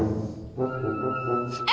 nih dese sibuk cette